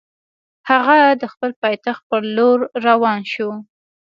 هغه د خپل پایتخت پر لور روان شو.